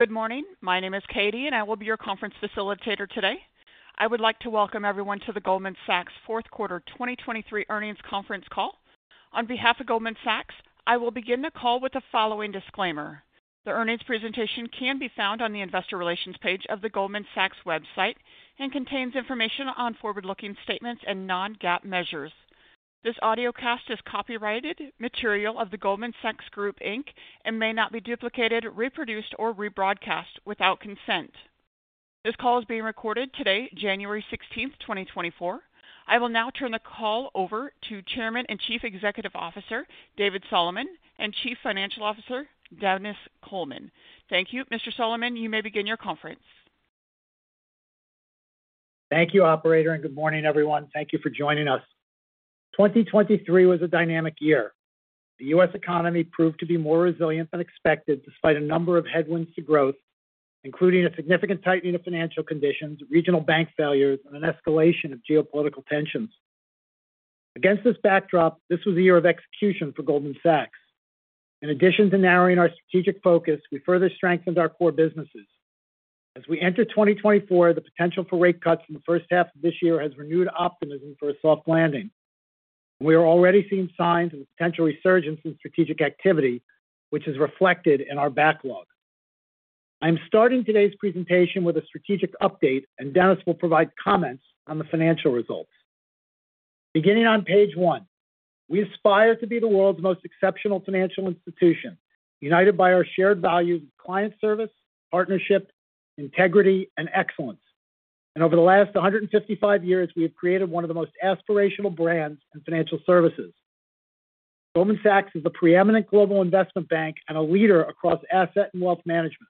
Good morning. My name is Katie, and I will be your conference facilitator today. I would like to welcome everyone to the Goldman Sachs Fourth Quarter 2023 earnings conference call. On behalf of Goldman Sachs, I will begin the call with the following disclaimer: The earnings presentation can be found on the Investor Relations page of the Goldman Sachs website and contains information on forward-looking statements and non-GAAP measures. This audiocast is copyrighted material of the Goldman Sachs Group Inc. and may not be duplicated, reproduced, or rebroadcast without consent. This call is being recorded today, January 16, 2024. I will now turn the call over to Chairman and Chief Executive Officer, David Solomon, and Chief Financial Officer, Denis Coleman. Thank you. Mr. Solomon, you may begin your conference. Thank you, operator, and good morning, everyone. Thank you for joining us. 2023 was a dynamic year. The U.S. economy proved to be more resilient than expected, despite a number of headwinds to growth, including a significant tightening of financial conditions, regional bank failures, and an escalation of geopolitical tensions. Against this backdrop, this was a year of execution for Goldman Sachs. In addition to narrowing our strategic focus, we further strengthened our core businesses. As we enter 2024, the potential for rate cuts in the first half of this year has renewed optimism for a soft landing. We are already seeing signs of a potential resurgence in strategic activity, which is reflected in our backlog. I'm starting today's presentation with a strategic update, and Denis will provide comments on the financial results. Beginning on page 1, we aspire to be the world's most exceptional financial institution, united by our shared values of client service, partnership, integrity, and excellence. Over the last 155 years, we have created one of the most aspirational brands in financial services. Goldman Sachs is the preeminent global investment bank and a leader across asset and wealth management.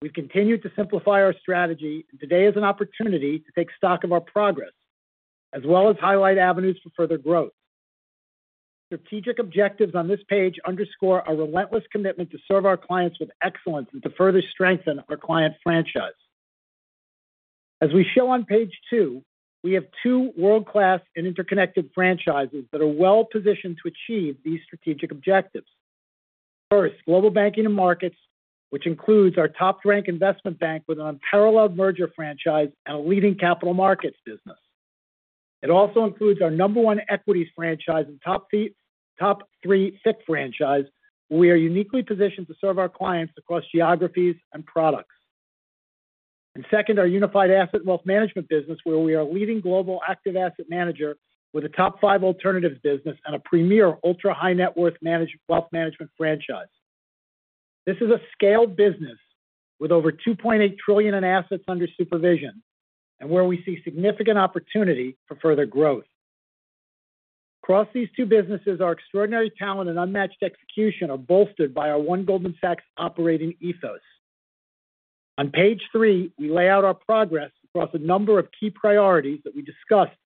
We've continued to simplify our strategy, and today is an opportunity to take stock of our progress, as well as highlight avenues for further growth. Strategic objectives on this page underscore our relentless commitment to serve our clients with excellence and to further strengthen our client franchise. As we show on page 2, we have two world-class and interconnected franchises that are well-positioned to achieve these strategic objectives. First, global banking and markets, which includes our top-ranked investment bank with an unparalleled merger franchise and a leading capital markets business. It also includes our number one equities franchise and top three FICC franchise, where we are uniquely positioned to serve our clients across geographies and products. And second, our unified Asset and Wealth Management business, where we are a leading global active asset manager with a top five alternatives business and a premier ultra-high net worth wealth management franchise. This is a scaled business with over 2.8 trillion in assets under supervision and where we see significant opportunity for further growth. Across these two businesses, our extraordinary talent and unmatched execution are bolstered by our One Goldman Sachs operating ethos. On page 3, we lay out our progress across a number of key priorities that we discussed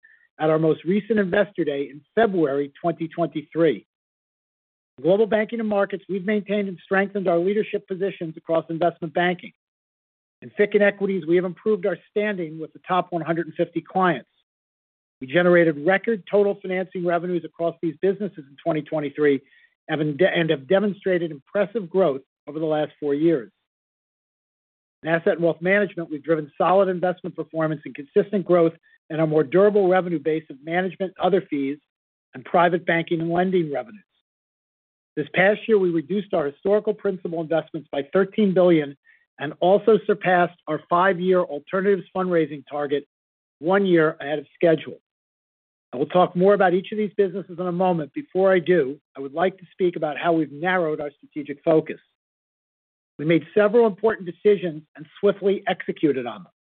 at our most recent Investor Day in February 2023. Global Banking and Markets, we've maintained and strengthened our leadership positions across investment banking. In FICC and equities, we have improved our standing with the top 150 clients. We generated record total financing revenues across these businesses in 2023, and have demonstrated impressive growth over the last four years. In Asset and Wealth Management, we've driven solid investment performance and consistent growth and a more durable revenue base of management, other fees, and private banking and lending revenues. This past year, we reduced our historical principal investments by $13 billion and also surpassed our five-year alternatives fundraising target one year ahead of schedule. I will talk more about each of these businesses in a moment. Before I do, I would like to speak about how we've narrowed our strategic focus. We made several important decisions and swiftly executed on them.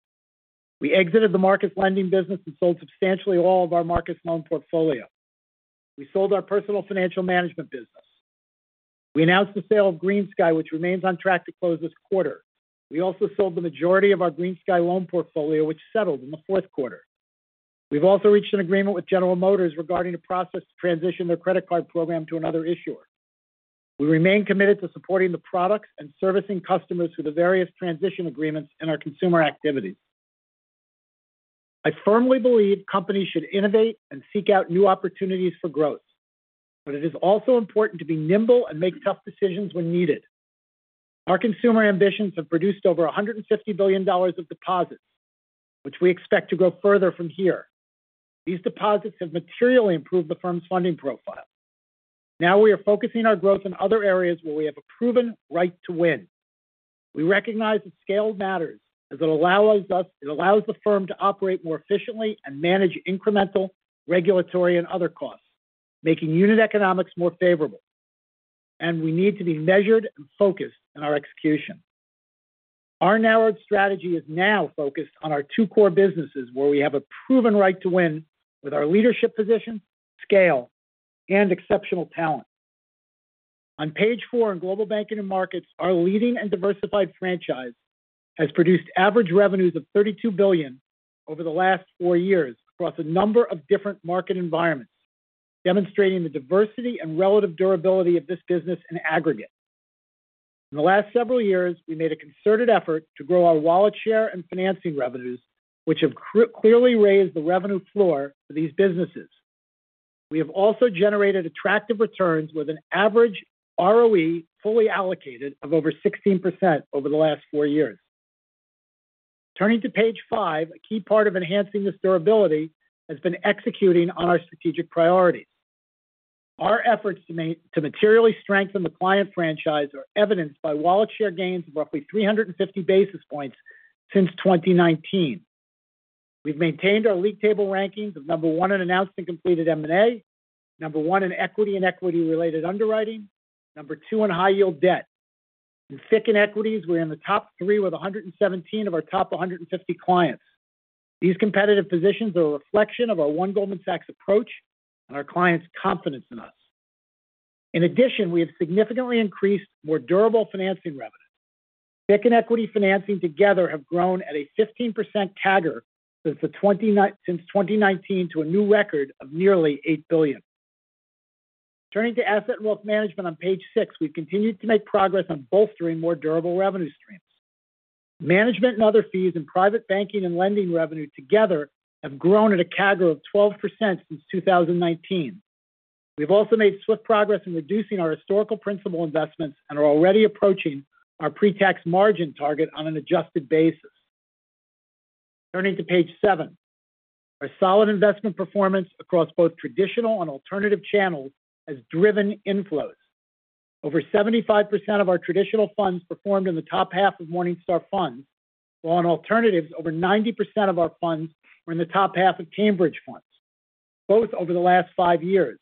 We exited the markets lending business and sold substantially all of our markets loan portfolio. We sold our Personal Financial Management business. We announced the sale of GreenSky, which remains on track to close this quarter. We also sold the majority of our GreenSky loan portfolio, which settled in the fourth quarter. We've also reached an agreement with General Motors regarding the process to transition their credit card program to another issuer. We remain committed to supporting the products and servicing customers through the various transition agreements in our consumer activities. I firmly believe companies should innovate and seek out new opportunities for growth, but it is also important to be nimble and make tough decisions when needed. Our consumer ambitions have produced over $150 billion of deposits, which we expect to grow further from here. These deposits have materially improved the firm's funding profile. Now we are focusing our growth in other areas where we have a proven right to win. We recognize that scale matters, as it allows the firm to operate more efficiently and manage incremental, regulatory, and other costs, making unit economics more favorable. We need to be measured and focused in our execution. Our narrowed strategy is now focused on our two core businesses, where we have a proven right to win with our leadership position, scale, and exceptional talent. On page 4, in Global Banking and Markets, our leading and diversified franchise has produced average revenues of $32 billion over the last four years across a number of different market environments, demonstrating the diversity and relative durability of this business in aggregate. In the last several years, we made a concerted effort to grow our wallet share and financing revenues, which have clearly raised the revenue floor for these businesses. We have also generated attractive returns with an average ROE fully allocated of over 16% over the last four years. Turning to page 5, a key part of enhancing this durability has been executing on our strategic priorities. Our efforts to materially strengthen the client franchise are evidenced by wallet share gains of roughly 350 basis points since 2019. We've maintained our league table rankings of No. 1 in announced and completed M&A, No. 1 in equity and equity-related underwriting, No. 2 in high yield debt. In FICC and equities, we're in the top three with 117 of our top 150 clients. These competitive positions are a reflection of our One Goldman Sachs approach and our clients' confidence in us. In addition, we have significantly increased more durable financing revenue. FICC and equity financing together have grown at a 15% CAGR since 2019 to a new record of nearly $8 billion. Turning to Asset and Wealth Management on page 6, we've continued to make progress on bolstering more durable revenue streams. Management and other fees and private banking and lending revenue together have grown at a CAGR of 12% since 2019. We've also made swift progress in reducing our historical principal investments and are already approaching our pre-tax margin target on an adjusted basis. Turning to page 7. Our solid investment performance across both traditional and alternative channels has driven inflows. Over 75% of our traditional funds performed in the top half of Morningstar funds, while on alternatives, over 90% of our funds were in the top half of Cambridge funds, both over the last five years.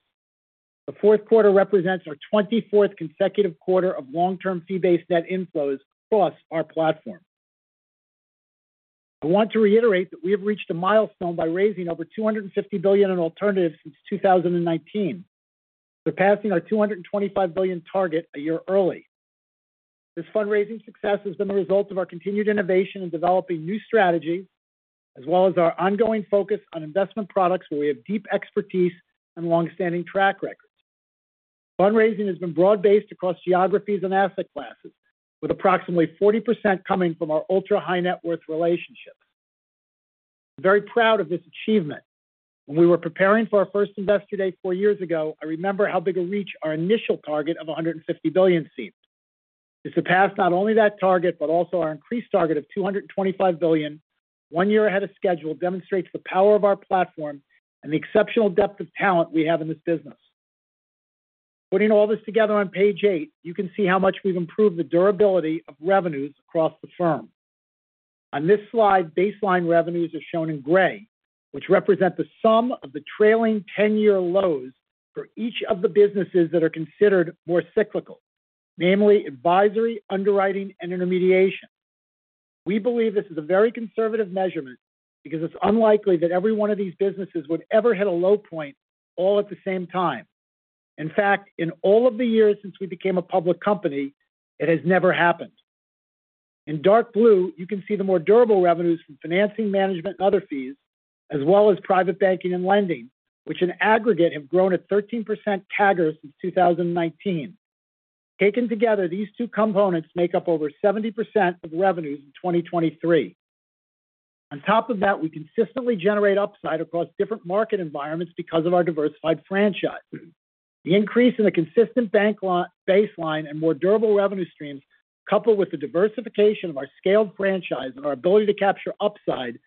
The fourth quarter represents our 24th consecutive quarter of long-term fee-based net inflows across our platform. I want to reiterate that we have reached a milestone by raising over $250 billion in alternatives since 2019, surpassing our $225 billion target a year early. This fundraising success has been a result of our continued innovation in developing new strategies, as well as our ongoing focus on investment products where we have deep expertise and long-standing track records. Fundraising has been broad-based across geographies and asset classes, with approximately 40% coming from our ultra-high net worth relationships. I'm very proud of this achievement. When we were preparing for our first Investor Day four years ago, I remember how big a reach our initial target of $150 billion seemed. To surpass not only that target, but also our increased target of $225 billion, one year ahead of schedule, demonstrates the power of our platform and the exceptional depth of talent we have in this business. Putting all this together on page 8, you can see how much we've improved the durability of revenues across the firm. On this slide, baseline revenues are shown in gray, which represent the sum of the trailing 10-year lows for each of the businesses that are considered more cyclical, namely advisory, underwriting, and intermediation. We believe this is a very conservative measurement because it's unlikely that every one of these businesses would ever hit a low point all at the same time. In fact, in all of the years since we became a public company, it has never happened. In dark blue, you can see the more durable revenues from financing, management, and other fees, as well as private banking and lending, which in aggregate have grown at 13% CAGR since 2019. Taken together, these two components make up over 70% of revenues in 2023. On top of that, we consistently generate upside across different market environments because of our diversified franchise. The increase in the consistent baseline and more durable revenue streams, coupled with the diversification of our scaled franchise and our ability to capture upside,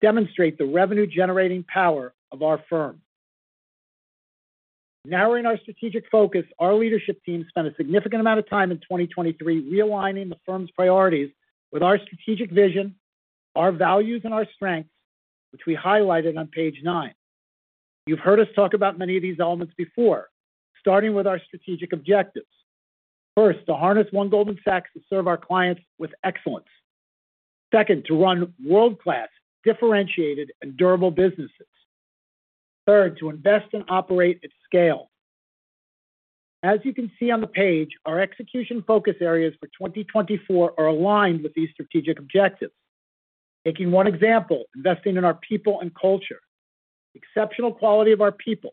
demonstrate the revenue-generating power of our firm. Narrowing our strategic focus, our leadership team spent a significant amount of time in 2023 realigning the firm's priorities with our strategic vision, our values, and our strengths, which we highlighted on page 9. You've heard us talk about many of these elements before, starting with our strategic objectives. First, to harness One Goldman Sachs to serve our clients with excellence. Second, to run world-class, differentiated, and durable businesses. Third, to invest and operate at scale. As you can see on the page, our execution focus areas for 2024 are aligned with these strategic objectives. Taking one example, investing in our people and culture. Exceptional quality of our people,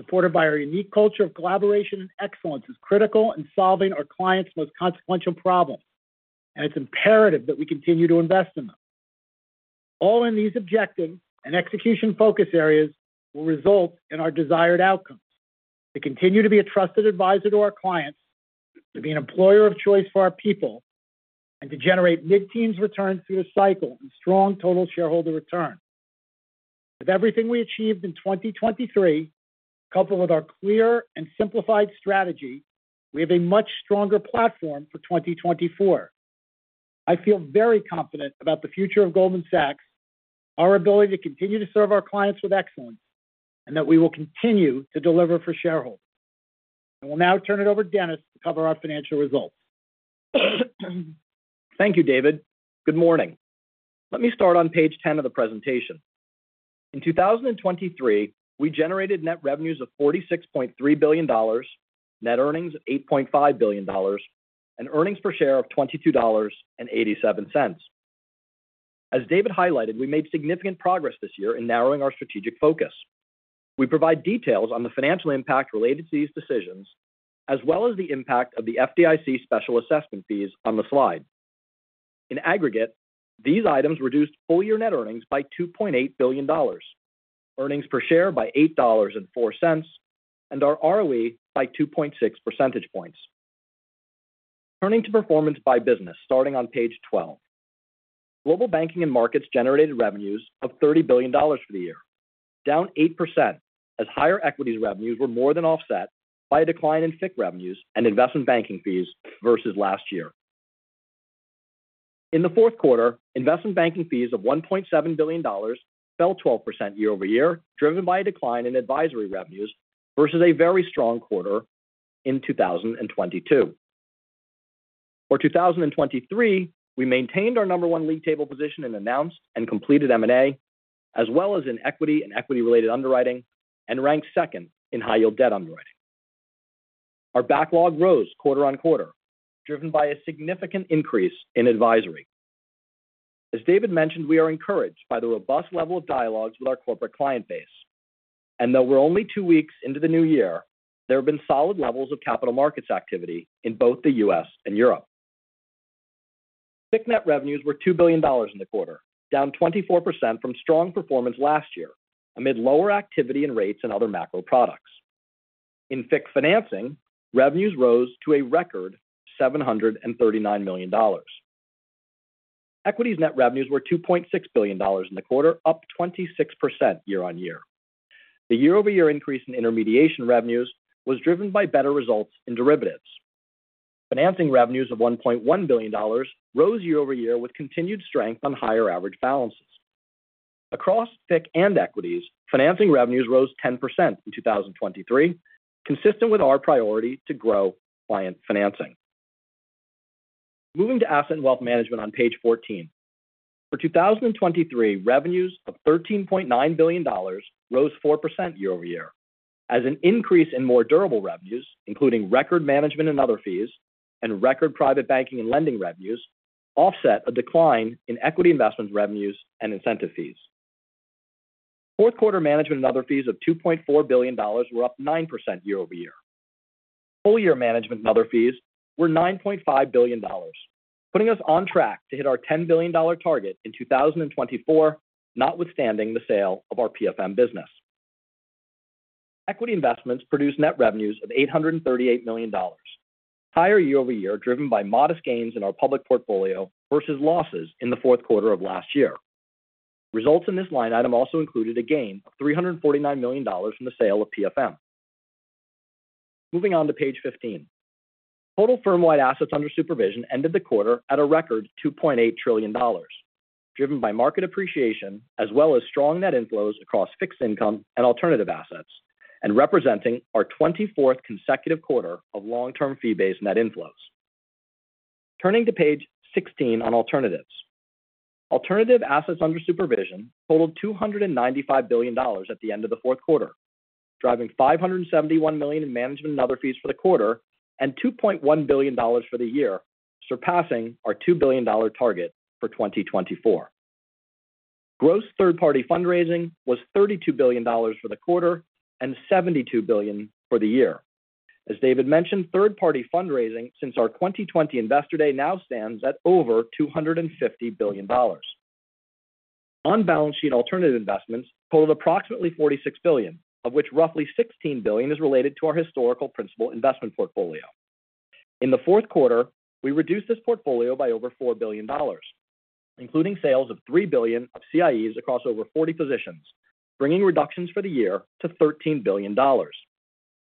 supported by our unique culture of collaboration and excellence, is critical in solving our clients' most consequential problems, and it's imperative that we continue to invest in them. All in these objectives and execution focus areas will result in our desired outcomes: to continue to be a trusted advisor to our clients, to be an employer of choice for our people, and to generate mid-teens returns through the cycle and strong total shareholder return. With everything we achieved in 2023, coupled with our clear and simplified strategy, we have a much stronger platform for 2024. I feel very confident about the future of Goldman Sachs, our ability to continue to serve our clients with excellence, and that we will continue to deliver for shareholders. I will now turn it over to Denis to cover our financial results. Thank you, David. Good morning. Let me start on page 10 of the presentation. In 2023, we generated net revenues of $46.3 billion, net earnings of $8.5 billion, and earnings per share of $22.87. As David highlighted, we made significant progress this year in narrowing our strategic focus. We provide details on the financial impact related to these decisions, as well as the impact of the FDIC special assessment fees on the slide. In aggregate, these items reduced full year net earnings by $2.8 billion. Earnings per share by $8.04, and our ROE by 2.6 percentage points. Turning to performance by business, starting on page 12. Global Banking and Markets generated revenues of $30 billion for the year, down 8%, as higher equities revenues were more than offset by a decline in FICC revenues and investment banking fees versus last year. In the fourth quarter, investment banking fees of $1.7 billion fell 12% year-over-year, driven by a decline in advisory revenues versus a very strong quarter in 2022. For 2023, we maintained our number one league table position and announced and completed M&A, as well as in equity and equity-related underwriting, and ranked second in high yield debt underwriting. Our backlog rose quarter-over-quarter, driven by a significant increase in advisory. As David mentioned, we are encouraged by the robust level of dialogues with our corporate client base, and though we're only two weeks into the new year, there have been solid levels of capital markets activity in both the U.S. and Europe. FICC net revenues were $2 billion in the quarter, down 24% from strong performance last year, amid lower activity in rates and other macro products. In FICC financing, revenues rose to a record $739 million. Equities net revenues were $2.6 billion in the quarter, up 26% year-over-year. The year-over-year increase in intermediation revenues was driven by better results in derivatives. Financing revenues of $1.1 billion rose year-over-year with continued strength on higher average balances. Across FICC and equities, financing revenues rose 10% in 2023, consistent with our priority to grow client financing. Moving to Asset and Wealth Management on page 14. For 2023, revenues of $13.9 billion rose 4% year-over-year, as an increase in more durable revenues, including record management and other fees, and record private banking and lending revenues, offset a decline in equity investment revenues and incentive fees. Fourth quarter management and other fees of $2.4 billion were up 9% year-over-year. Full year management and other fees were $9.5 billion, putting us on track to hit our $10 billion target in 2024, notwithstanding the sale of our PFM business. Equity investments produced net revenues of $838 million, higher year-over-year, driven by modest gains in our public portfolio versus losses in the fourth quarter of last year. Results in this line item also included a gain of $349 million from the sale of PFM. Moving on to page 15. Total firm-wide assets under supervision ended the quarter at a record $2.8 trillion, driven by market appreciation, as well as strong net inflows across fixed income and alternative assets, and representing our 24th consecutive quarter of long-term fee-based net inflows. Turning to page 16 on alternatives. Alternative assets under supervision totaled $295 billion at the end of the fourth quarter, driving $571 million in management and other fees for the quarter, and $2.1 billion for the year, surpassing our $2 billion target for 2024. Gross third-party fundraising was $32 billion for the quarter and $72 billion for the year. As David mentioned, third-party fundraising since our 2020 Investor Day now stands at over $250 billion. On-balance sheet alternative investments totaled approximately $46 billion, of which roughly $16 billion is related to our historical principal investment portfolio. In the fourth quarter, we reduced this portfolio by over $4 billion, including sales of $3 billion of CIEs across over 40 positions, bringing reductions for the year to $13 billion.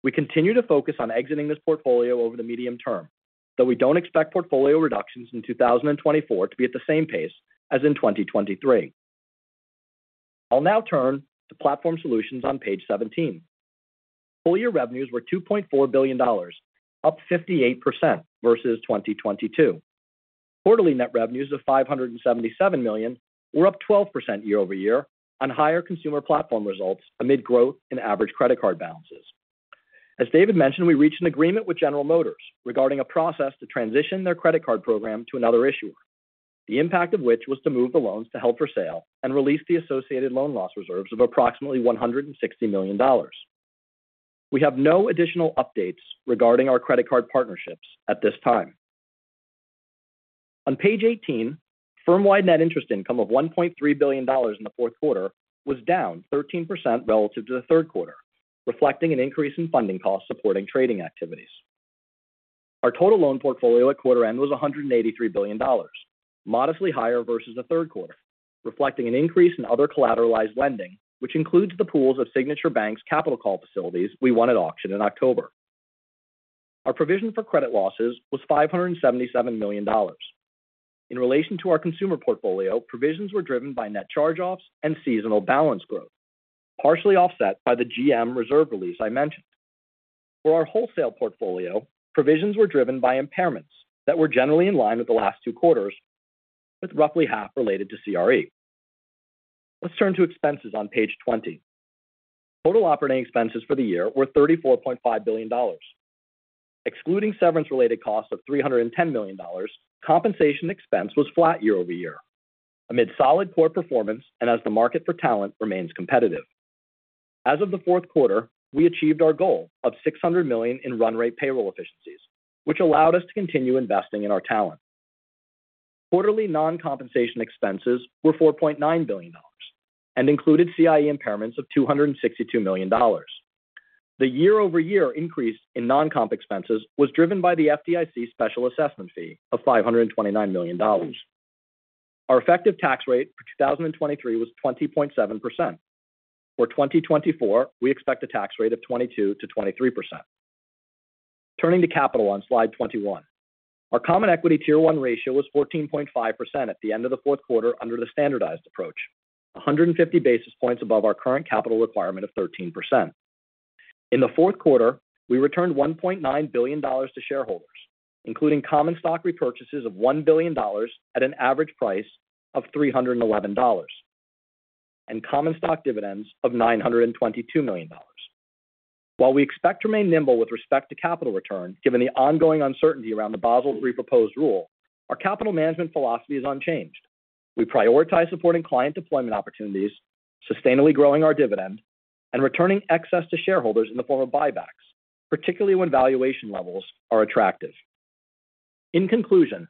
We continue to focus on exiting this portfolio over the medium term, though we don't expect portfolio reductions in 2024 to be at the same pace as in 2023. I'll now turn to Platform Solutions on page 17. Full year revenues were $2.4 billion, up 58% versus 2022. Quarterly net revenues of $577 million were up 12% year-over-year on higher consumer platform results amid growth in average credit card balances. As David mentioned, we reached an agreement with General Motors regarding a process to transition their credit card program to another issuer, the impact of which was to move the loans to held for sale and release the associated loan loss reserves of approximately $160 million. We have no additional updates regarding our credit card partnerships at this time. On page 18, firm-wide net interest income of $1.3 billion in the fourth quarter was down 13% relative to the third quarter, reflecting an increase in funding costs supporting trading activities. Our total loan portfolio at quarter end was $183 billion, modestly higher versus the third quarter, reflecting an increase in other collateralized lending, which includes the pools of Signature Bank's capital call facilities we won at auction in October. Our provision for credit losses was $577 million. In relation to our consumer portfolio, provisions were driven by net charge-offs and seasonal balance growth, partially offset by the GM reserve release I mentioned. For our wholesale portfolio, provisions were driven by impairments that were generally in line with the last two quarters, with roughly half related to CRE. Let's turn to expenses on page 20. Total operating expenses for the year were $34.5 billion. Excluding severance-related costs of $310 million, compensation expense was flat year-over-year, amid solid core performance and as the market for talent remains competitive. As of the fourth quarter, we achieved our goal of $600 million in run rate payroll efficiencies, which allowed us to continue investing in our talent. Quarterly non-compensation expenses were $4.9 billion and included CIE impairments of $262 million. The year-over-year increase in non-comp expenses was driven by the FDIC special assessment fee of $529 million. Our effective tax rate for 2023 was 20.7%. For 2024, we expect a tax rate of 22%-23%. Turning to capital on slide 21. Our Common Equity Tier 1 ratio was 14.5% at the end of the fourth quarter under the standardized approach, 150 basis points above our current capital requirement of 13%. In the fourth quarter, we returned $1.9 billion to shareholders, including common stock repurchases of $1 billion at an average price of $311, and common stock dividends of $922 million. While we expect to remain nimble with respect to capital return, given the ongoing uncertainty around the Basel reproposed rule, our capital management philosophy is unchanged. We prioritize supporting client deployment opportunities, sustainably growing our dividend, and returning excess to shareholders in the form of buybacks, particularly when valuation levels are attractive. In conclusion,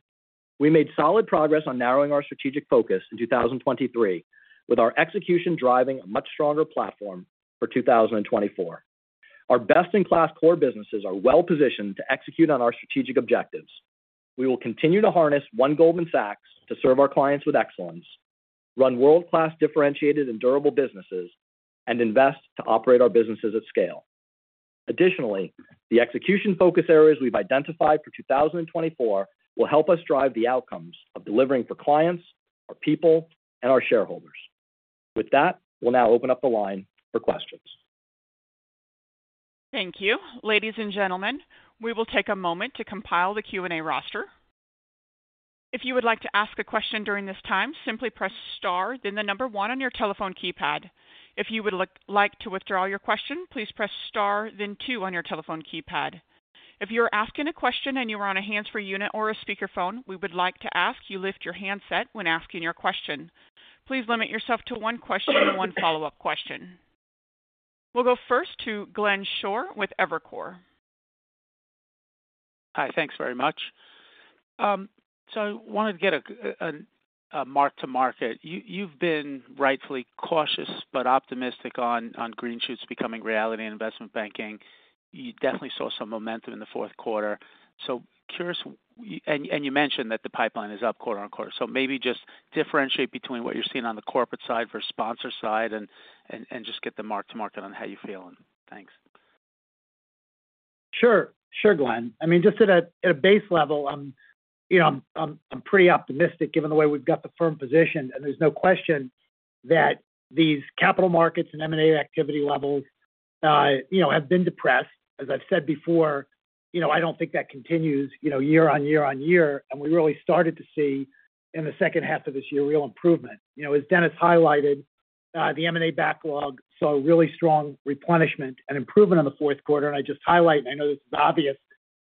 we made solid progress on narrowing our strategic focus in 2023, with our execution driving a much stronger platform for 2024. Our best-in-class core businesses are well positioned to execute on our strategic objectives. We will continue to harness One Goldman Sachs to serve our clients with excellence, run world-class, differentiated and durable businesses, and invest to operate our businesses at scale. Additionally, the execution focus areas we've identified for 2024 will help us drive the outcomes of delivering for clients, our people, and our shareholders. With that, we'll now open up the line for questions. Thank you. Ladies and gentlemen, we will take a moment to compile the Q&A roster. If you would like to ask a question during this time, simply press star, then the number one on your telephone keypad. If you would like to withdraw your question, please press star, then two on your telephone keypad. If you're asking a question and you are on a hands-free unit or a speakerphone, we would like to ask you to lift your handset when asking your question. Please limit yourself to one question and one follow-up question. We'll go first to Glenn Schorr with Evercore. Hi, thanks very much. So I wanted to get a mark to market. You've been rightfully cautious but optimistic on green shoots becoming reality in investment banking. You definitely saw some momentum in the fourth quarter. So curious and you mentioned that the pipeline is up quarter-over-quarter. So maybe just differentiate between what you're seeing on the corporate side versus sponsor side and just get the mark to market on how you're feeling. Thanks. Sure. Sure, Glenn. I mean, just at a, at a base level, you know, I'm, I'm pretty optimistic given the way we've got the firm positioned, and there's no question that these capital markets and M&A activity levels, you know, have been depressed. As I've said before, you know, I don't think that continues, you know, year on year on year. And we really started to see in the second half of this year, a real improvement. You know, as Denis highlighted, the M&A backlog saw a really strong replenishment and improvement in the fourth quarter. And I just highlight, and I know this is obvious,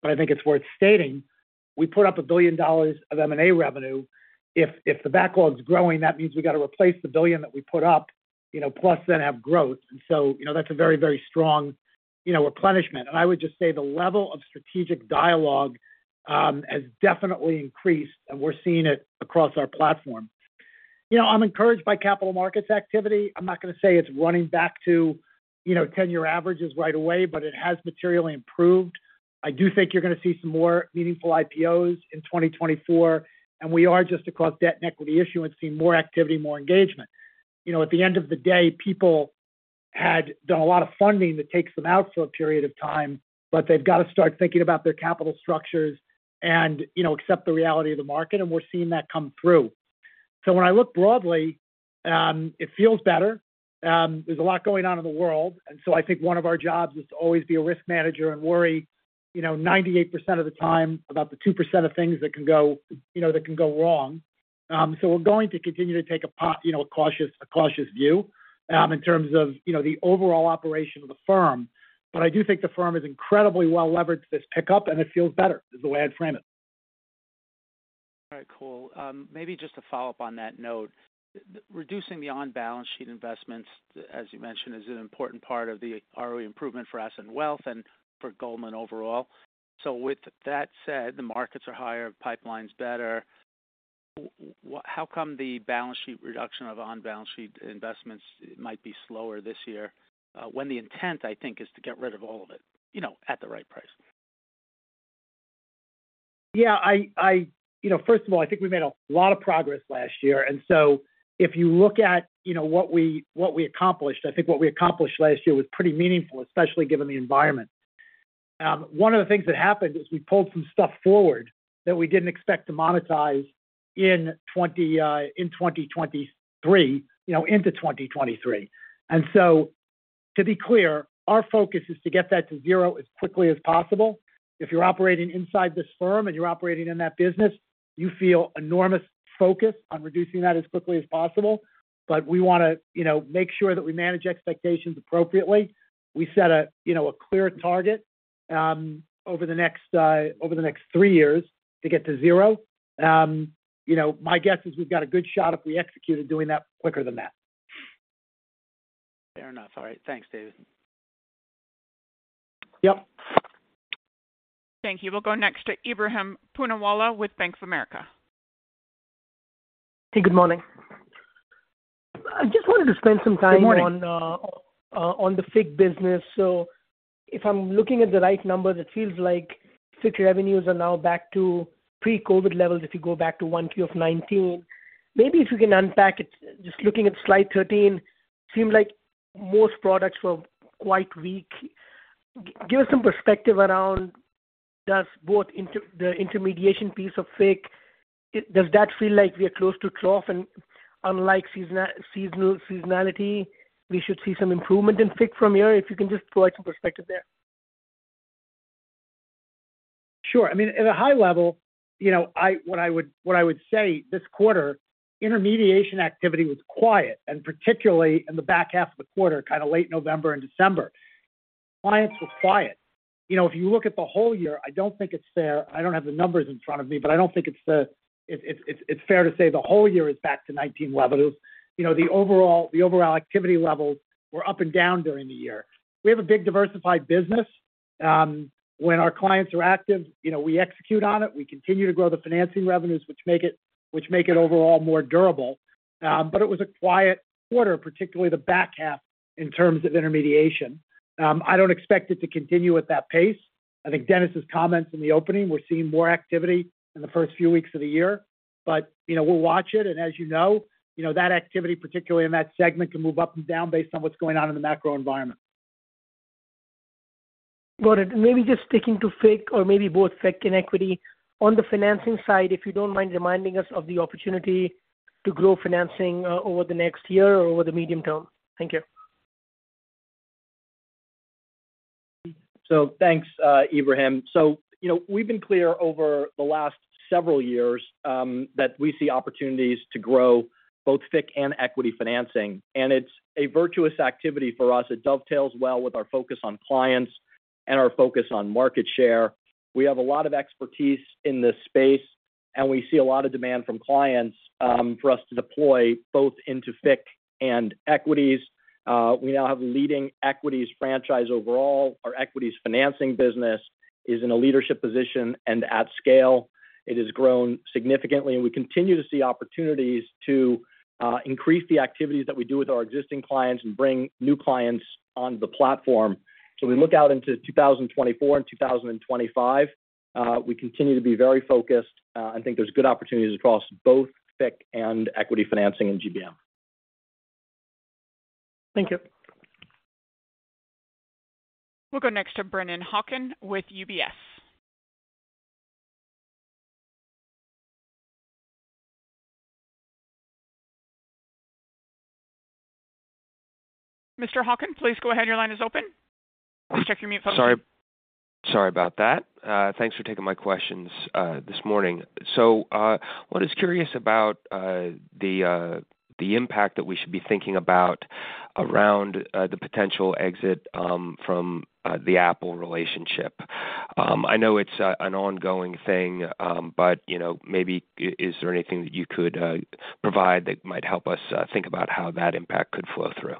but I think it's worth stating, we put up $1 billion of M&A revenue. If, if the backlog's growing, that means we got to replace the billion that we put up, you know, plus then have growth. So, you know, that's a very, very strong, you know, replenishment. I would just say the level of strategic dialogue has definitely increased, and we're seeing it across our platform. You know, I'm encouraged by capital markets activity. I'm not going to say it's running back to, you know, 10-year averages right away, but it has materially improved. I do think you're going to see some more meaningful IPOs in 2024, and we are just across debt and equity issuance, seeing more activity, more engagement. You know, at the end of the day, people had done a lot of funding that takes them out for a period of time, but they've got to start thinking about their capital structures and, you know, accept the reality of the market, and we're seeing that come through. So when I look broadly, it feels better. There's a lot going on in the world, and so I think one of our jobs is to always be a risk manager and worry, you know, 98% of the time about the 2% of things that can go, you know, that can go wrong. So we're going to continue to take a—you know, a cautious, cautious view, in terms of, you know, the overall operation of the firm. But I do think the firm is incredibly well levered to this pickup, and it feels better, is the way I'd frame it. All right, cool. Maybe just to follow up on that note. Reducing the on-balance sheet investments, as you mentioned, is an important part of the ROE improvement for Asset and Wealth and for Goldman overall. So with that said, the markets are higher, pipeline's better, how come the balance sheet reduction of on-balance sheet investments might be slower this year, when the intent, I think, is to get rid of all of it, you know, at the right price? Yeah, you know, first of all, I think we made a lot of progress last year, and so if you look at, you know, what we, what we accomplished, I think what we accomplished last year was pretty meaningful, especially given the environment. One of the things that happened is we pulled some stuff forward that we didn't expect to monetize in 2023, you know, into 2023. And so, to be clear, our focus is to get that to zero as quickly as possible. If you're operating inside this firm and you're operating in that business, you feel enormous focus on reducing that as quickly as possible. But we want to, you know, make sure that we manage expectations appropriately. We set a, you know, a clear target over the next three years to get to zero. You know, my guess is we've got a good shot if we execute at doing that quicker than that. Fair enough. All right. Thanks, David. Yep. Thank you. We'll go next to Ebrahim Poonawala with Bank of America. Hey, good morning. I just wanted to spend some time- Good morning -on the FICC business. So if I'm looking at the right numbers, it feels like FICC revenues are now back to pre-COVID levels, if you go back to 1Q 2019. Maybe if you can unpack it, just looking at slide 13, it seemed like most products were quite weak. Give us some perspective around, does the intermediation piece of FICC, does that feel like we are close to trough, and unlike seasonality, we should see some improvement in FICC from here? If you can just provide some perspective there. Sure. I mean, at a high level, you know, what I would say, this quarter, intermediation activity was quiet, and particularly in the back half of the quarter, kind of late November and December. Clients were quiet. You know, if you look at the whole year, I don't think it's fair. I don't have the numbers in front of me, but I don't think it's fair to say the whole year is back to 2019 levels. You know, the overall activity levels were up and down during the year. We have a big, diversified business. When our clients are active, you know, we execute on it. We continue to grow the financing revenues, which make it overall more durable. But it was a quiet quarter, particularly the back half, in terms of intermediation. I don't expect it to continue at that pace. I think Denis's comments in the opening, we're seeing more activity in the first few weeks of the year. But, you know, we'll watch it, and as you know, you know, that activity, particularly in that segment, can move up and down based on what's going on in the macro environment. Got it. Maybe just sticking to FICC or maybe both FICC and equity. On the financing side, if you don't mind reminding us of the opportunity to grow financing over the next year or over the medium term. Thank you. So thanks, Ibrahim. So, you know, we've been clear over the last several years that we see opportunities to grow both FICC and equity financing, and it's a virtuous activity for us. It dovetails well with our focus on clients and our focus on market share. We have a lot of expertise in this space, and we see a lot of demand from clients for us to deploy both into FICC and equities. We now have a leading equities franchise overall. Our equities financing business is in a leadership position and at scale. It has grown significantly, and we continue to see opportunities to increase the activities that we do with our existing clients and bring new clients on the platform. So we look out into 2024 and 2025, we continue to be very focused. I think there's good opportunities across both FICC and equity financing in GBM. Thank you. We'll go next to Brennan Hawken with UBS. Mr. Hawken, please go ahead. Your line is open. Please check your mute button. Sorry, sorry about that. Thanks for taking my questions this morning. So, what I was curious about, the impact that we should be thinking about around the potential exit from the Apple relationship. I know it's an ongoing thing, but, you know, maybe is there anything that you could provide that might help us think about how that impact could flow through?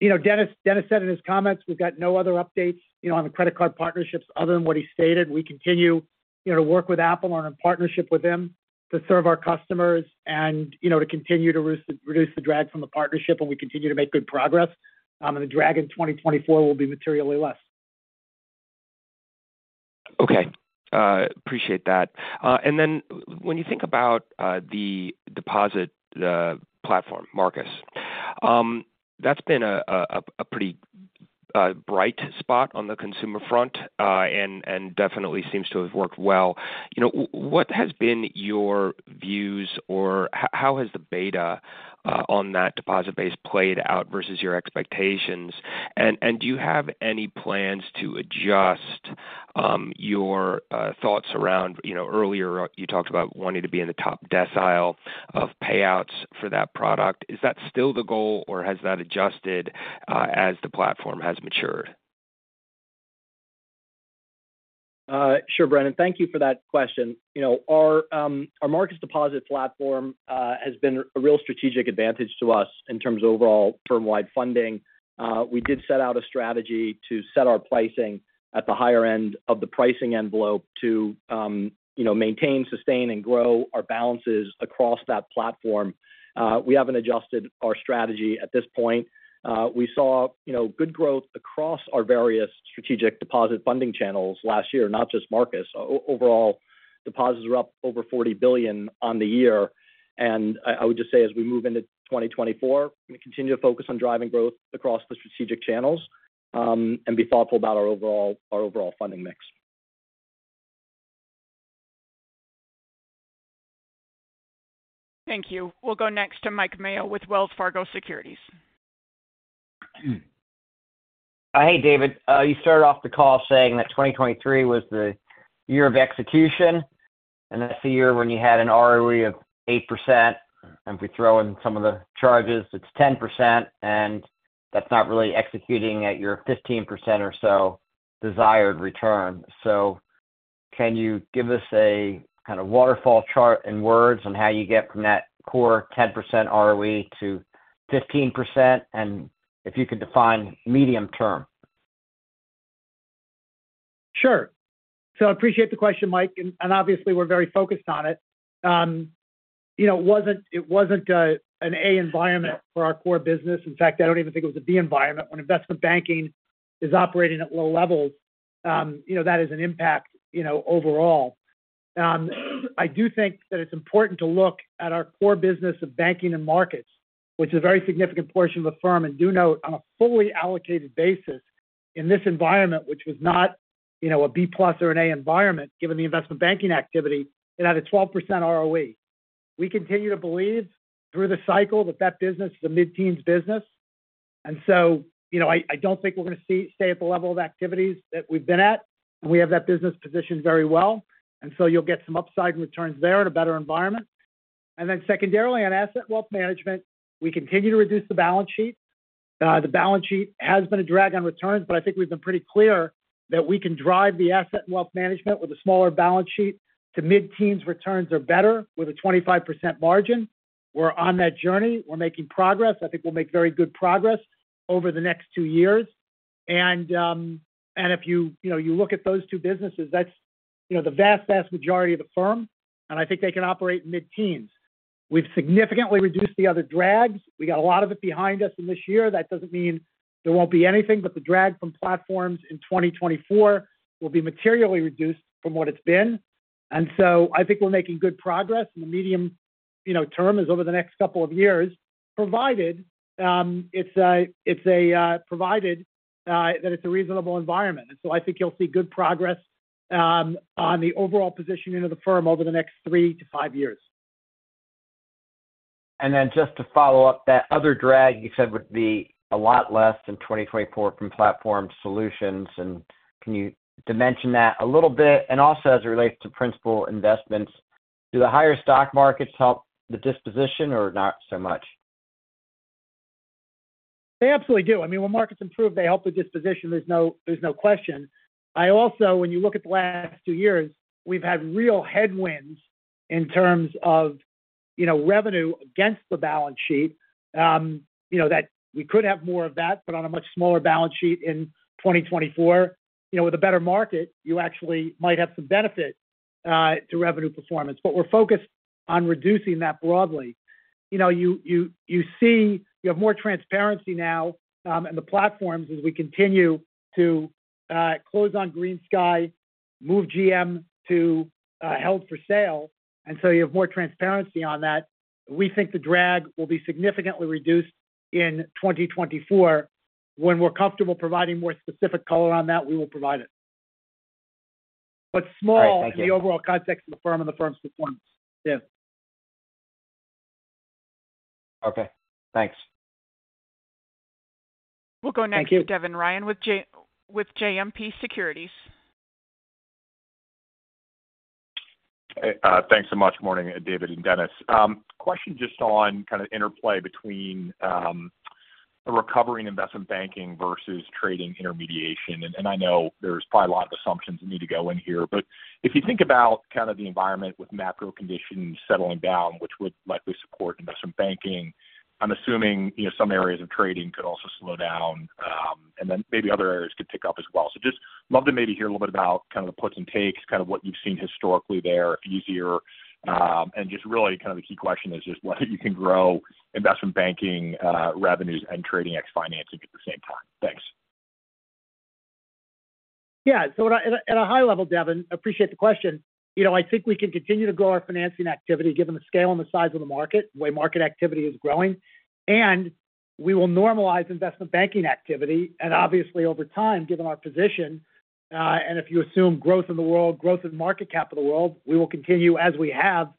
You know, Denis, Denis said in his comments, we've got no other updates, you know, on the credit card partnerships other than what he stated. We continue, you know, to work with Apple on a partnership with them to serve our customers and, you know, to continue to reduce the drag from the partnership, and we continue to make good progress. And the drag in 2024 will be materially less. Okay, appreciate that. And then when you think about the deposit platform, Marcus, that's been a pretty bright spot on the consumer front, and definitely seems to have worked well. You know, what has been your views, or how has the beta on that deposit base played out versus your expectations? And do you have any plans to adjust your thoughts around... You know, earlier, you talked about wanting to be in the top decile of payouts for that product. Is that still the goal, or has that adjusted as the platform has matured? Sure, Brennan. Thank you for that question. You know, our our Marcus deposit platform has been a real strategic advantage to us in terms of overall firm-wide funding. We did set out a strategy to set our pricing at the higher end of the pricing envelope to, you know, maintain, sustain, and grow our balances across that platform. We haven't adjusted our strategy at this point. We saw, you know, good growth across our various strategic deposit funding channels last year, not just Marcus. Overall, deposits are up over $40 billion on the year, and I, I would just say as we move into 2024, we're going to continue to focus on driving growth across the strategic channels, and be thoughtful about our overall, our overall funding mix. Thank you. We'll go next to Mike Mayo with Wells Fargo Securities. Hey, David. You started off the call saying that 2023 was the year of execution, and that's the year when you had an ROE of 8%. And if we throw in some of the charges, it's 10%, and that's not really executing at your 15% or so desired return. So can you give us a kind of waterfall chart in words on how you get from that core 10% ROE to 15%, and if you could define medium term? Sure. So I appreciate the question, Mike, and obviously, we're very focused on it. You know, it wasn't an A environment for our core business. In fact, I don't even think it was a B environment. When investment banking is operating at low levels, you know, that is an impact, you know, overall. I do think that it's important to look at our core business of banking and markets, which is a very significant portion of the firm, and do note, on a fully allocated basis in this environment, which was not, you know, a B plus or an A environment, given the investment banking activity, it had a 12% ROE. We continue to believe through the cycle that that business is a mid-teens business, and so, you know, I, I don't think we're going to see stay at the level of activities that we've been at. We have that business positioned very well, and so you'll get some upside in returns there in a better environment. And then secondarily, on asset wealth management, we continue to reduce the balance sheet. The balance sheet has been a drag on returns, but I think we've been pretty clear that we can drive the Asset and Wealth Management with a smaller balance sheet to mid-teens returns or better, with a 25% margin. We're on that journey. We're making progress. I think we'll make very good progress over the next two years. If you, you know, you look at those two businesses, that's, you know, the vast, vast majority of the firm, and I think they can operate mid-teens. We've significantly reduced the other drags. We got a lot of it behind us in this year. That doesn't mean there won't be anything, but the drag from platforms in 2024 will be materially reduced from what it's been. And so I think we're making good progress, and the medium, you know, term is over the next couple of years, provided that it's a reasonable environment. And so I think you'll see good progress on the overall positioning of the firm over the next three to five years. And then just to follow up, that other drag you said would be a lot less in 2024 from Platform Solutions, and can you dimension that a little bit? And also, as it relates to principal investments, do the higher stock markets help the disposition or not so much? They absolutely do. I mean, when markets improve, they help with disposition. There's no question. I also, when you look at the last two years, we've had real headwinds in terms of, you know, revenue against the balance sheet. You know, that we could have more of that, but on a much smaller balance sheet in 2024. You know, with a better market, you actually might have some benefit to revenue performance. But we're focused on reducing that broadly. You know, you see you have more transparency now in the platforms as we continue to close on GreenSky, move GM to held for sale, and so you have more transparency on that. We think the drag will be significantly reduced in 2024. When we're comfortable providing more specific color on that, we will provide it. But small- All right. Thank you... in the overall context of the firm and the firm's performance. Yeah. Okay, thanks. We'll go next to Devin Ryan with JMP Securities. Hey, thanks so much. Morning, David and Denis. Question just on kind of the interplay between a recovery in investment banking versus trading intermediation. And I know there's probably a lot of assumptions that need to go in here, but if you think about kind of the environment with macro conditions settling down, which would likely support investment banking, I'm assuming, you know, some areas of trading could also slow down, and then maybe other areas could pick up as well. So just love to maybe hear a little bit about kind of the puts and takes, kind of what you've seen historically there, if easier, and just really kind of the key question is just whether you can grow investment banking revenues and trading ex financing at the same time. Thanks. Yeah. So at a high level, Devin, appreciate the question. You know, I think we can continue to grow our financing activity, given the scale and the size of the market, the way market activity is growing, and we will normalize investment banking activity. And obviously, over time, given our position, and if you assume growth in the world, growth in market cap of the world, we will continue, as we have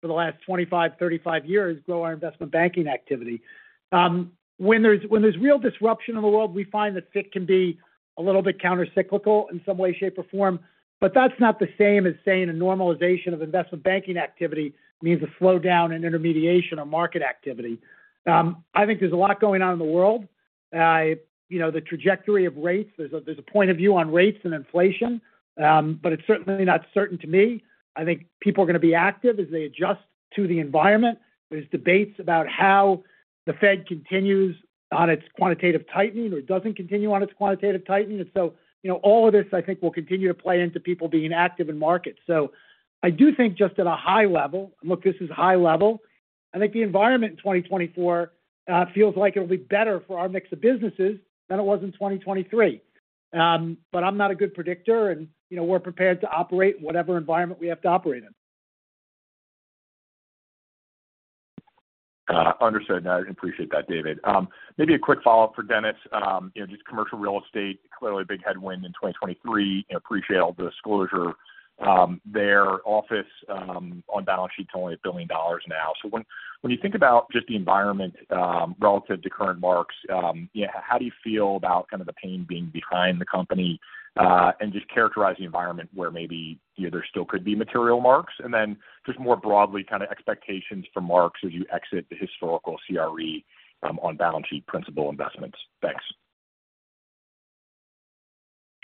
for the last 25-35 years, grow our investment banking activity. When there's real disruption in the world, we find that FICC can be a little bit countercyclical in some way, shape, or form, but that's not the same as saying a normalization of investment banking activity means a slowdown in intermediation or market activity. I think there's a lot going on in the world. You know, the trajectory of rates, there's a, there's a point of view on rates and inflation, but it's certainly not certain to me. I think people are going to be active as they adjust to the environment. There's debates about how the Fed continues on its quantitative tightening or doesn't continue on its quantitative tightening. And so, you know, all of this, I think, will continue to play into people being active in markets. So I do think just at a high level, look, this is high level, I think the environment in 2024 feels like it will be better for our mix of businesses than it was in 2023. But I'm not a good predictor and, you know, we're prepared to operate in whatever environment we have to operate in. Understood, and I appreciate that, David. Maybe a quick follow-up for Denis. You know, just commercial real estate, clearly a big headwind in 2023, and appreciate all the disclosure. Their office, on balance sheet's only $1 billion now. So when you think about just the environment, relative to current marks, you know, how do you feel about kind of the pain being behind the company? And just characterize the environment where maybe, you know, there still could be material marks. And then just more broadly, kind of expectations for marks as you exit the historical CRE, on balance sheet principal investments. Thanks.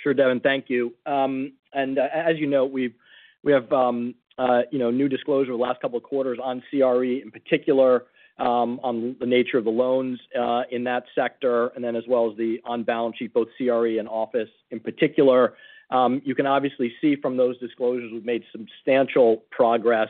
Sure, Devon, thank you. And as you know, we have, you know, new disclosure the last couple of quarters on CRE, in particular, on the nature of the loans in that sector, and then as well as the on-balance sheet, both CRE and office in particular. You can obviously see from those disclosures, we've made substantial progress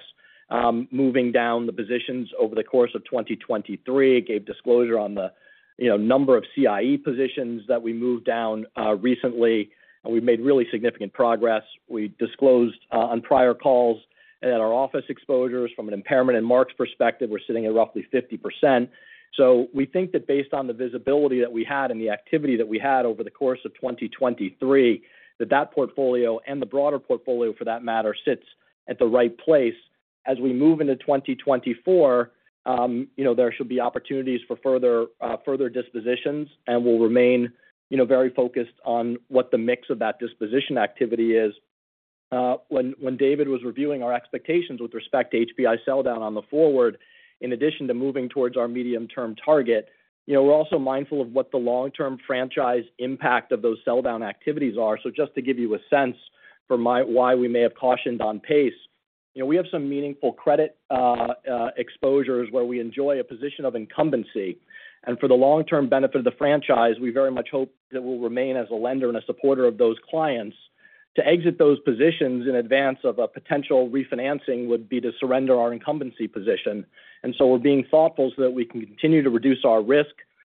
moving down the positions over the course of 2023. Gave disclosure on the, you know, number of CIE positions that we moved down recently, and we've made really significant progress. We disclosed on prior calls that our office exposures from an impairment and marks perspective were sitting at roughly 50%. So we think that based on the visibility that we had and the activity that we had over the course of 2023, that that portfolio and the broader portfolio for that matter, sits at the right place. As we move into 2024, you know, there should be opportunities for further, further dispositions, and we'll remain, you know, very focused on what the mix of that disposition activity is. When David was reviewing our expectations with respect to HPI sell down on the forward, in addition to moving towards our medium-term target, you know, we're also mindful of what the long-term franchise impact of those sell down activities are. So just to give you a sense for why we may have cautioned on pace, you know, we have some meaningful credit exposures where we enjoy a position of incumbency, and for the long-term benefit of the franchise, we very much hope that we'll remain as a lender and a supporter of those clients. To exit those positions in advance of a potential refinancing would be to surrender our incumbency position. So we're being thoughtful so that we can continue to reduce our risk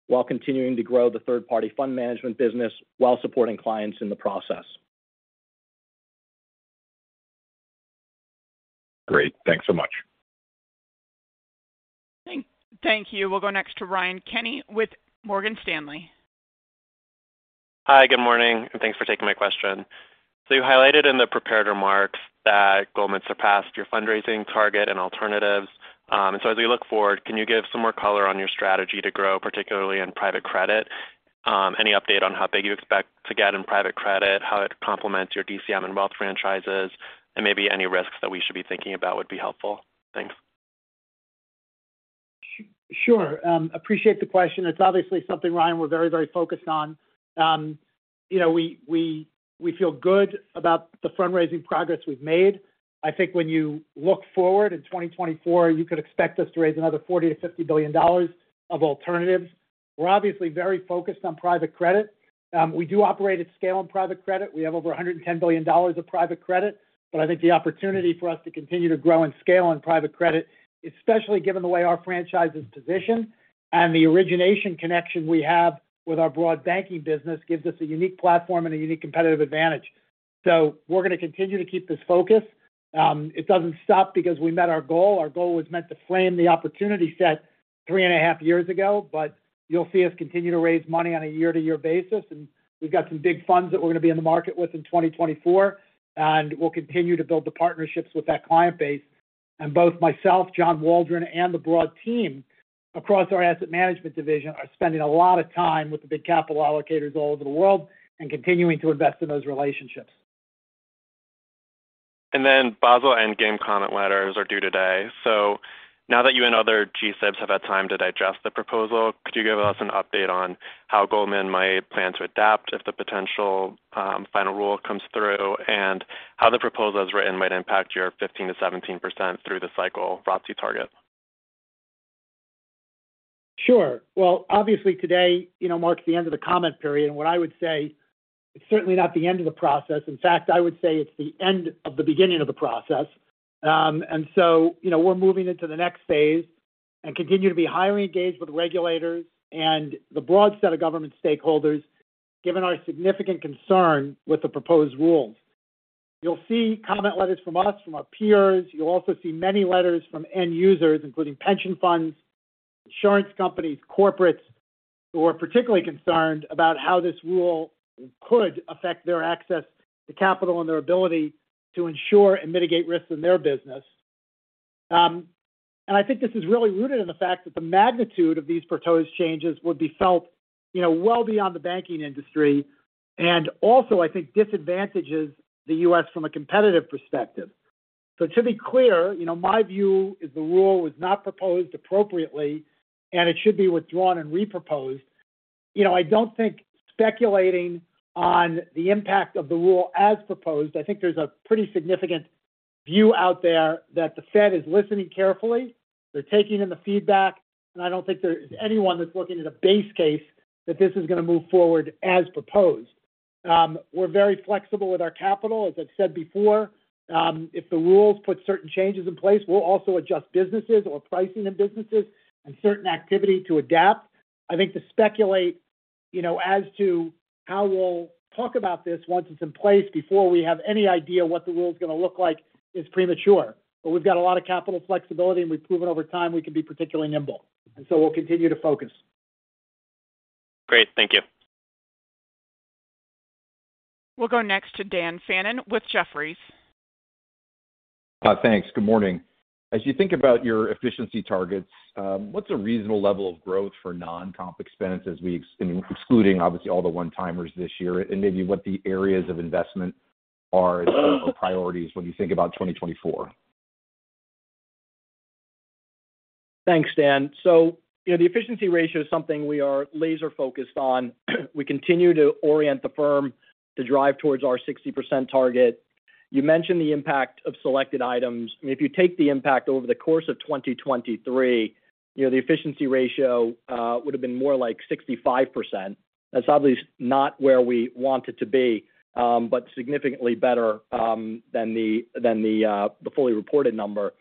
while continuing to grow the third-party fund management business while supporting clients in the process. Great. Thanks so much. Thank you. We'll go next to Ryan Kenny with Morgan Stanley. Hi, good morning, and thanks for taking my question. So you highlighted in the prepared remarks that Goldman surpassed your fundraising target and alternatives. And so as we look forward, can you give some more color on your strategy to grow, particularly in private credit? Any update on how big you expect to get in private credit, how it complements your DCM and wealth franchises, and maybe any risks that we should be thinking about would be helpful. Thanks. Sure, appreciate the question. It's obviously something, Ryan, we're very, very focused on. You know, we feel good about the fundraising progress we've made. I think when you look forward in 2024, you could expect us to raise another $40 billion-$50 billion of alternatives. We're obviously very focused on private credit. We do operate at scale in private credit. We have over $110 billion of private credit, but I think the opportunity for us to continue to grow and scale in private credit, especially given the way our franchise is positioned and the origination connection we have with our broad banking business, gives us a unique platform and a unique competitive advantage. So we're going to continue to keep this focus. It doesn't stop because we met our goal. Our goal was meant to frame the opportunity set three and a half years ago, but you'll see us continue to raise money on a year-to-year basis, and we've got some big funds that we're going to be in the market with in 2024, and we'll continue to build the partnerships with that client base. Both myself, John Waldron, and the broad team across our asset management division are spending a lot of time with the big capital allocators all over the world and continuing to invest in those relationships. And then Basel III Endgame comment letters are due today. So now that you and other G-SIBs have had time to digest the proposal, could you give us an update on how Goldman might plan to adapt if the potential final rule comes through, and how the proposal as written might impact your 15%-17% through the cycle ROIC target? Sure. Well, obviously, today, you know, marks the end of the comment period, and what I would say, it's certainly not the end of the process. In fact, I would say it's the end of the beginning of the process. And so, you know, we're moving into the next phase and continue to be highly engaged with regulators and the broad set of government stakeholders, given our significant concern with the proposed rules. You'll see comment letters from us, from our peers. You'll also see many letters from end users, including pension funds, insurance companies, corporates, who are particularly concerned about how this rule could affect their access to capital and their ability to ensure and mitigate risks in their business. And I think this is really rooted in the fact that the magnitude of these proposed changes would be felt, you know, well beyond the banking industry, and also, I think, disadvantages the U.S. from a competitive perspective. So to be clear, you know, my view is the rule was not proposed appropriately, and it should be withdrawn and reproposed. You know, I don't think speculating on the impact of the rule as proposed, I think there's a pretty significant view out there that the Fed is listening carefully. They're taking in the feedback, and I don't think there is anyone that's working at a base case that this is going to move forward as proposed. We're very flexible with our capital. As I've said before, if the rules put certain changes in place, we'll also adjust businesses or pricing in businesses and certain activity to adapt. I think to speculate, you know, as to how we'll talk about this once it's in place, before we have any idea what the rule is gonna look like, is premature. But we've got a lot of capital flexibility, and we've proven over time we can be particularly nimble, and so we'll continue to focus. Great. Thank you. We'll go next to Dan Fannon with Jefferies. Thanks. Good morning. As you think about your efficiency targets, what's a reasonable level of growth for non-comp expense excluding, obviously, all the one-timers this year, and maybe what the areas of investment are, or priorities when you think about 2024? Thanks, Dan. So, you know, the efficiency ratio is something we are laser-focused on. We continue to orient the firm to drive towards our 60% target. You mentioned the impact of selected items. If you take the impact over the course of 2023, you know, the efficiency ratio would have been more like 65%. That's obviously not where we want it to be, but significantly better than the, than the, the fully reported number.